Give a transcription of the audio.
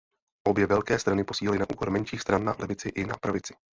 Obě velké strany posílily na úkor menších stran na levici i na pravici.